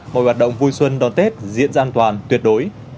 mọi hoạt động vui xuân đón tết diễn ra an toàn tuyệt đối